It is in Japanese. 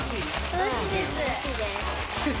楽しいです。